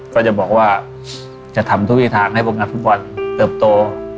ก็จะบอกว่าจะทำทุกวิธีทางให้พวกนักฟุตบอลเติบโต